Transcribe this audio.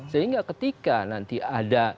sehingga ketika nanti ada